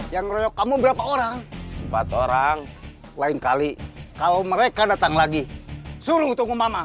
yang ngeroyok kamu berapa orang empat orang lain kali kalau mereka datang lagi suruh tunggu mama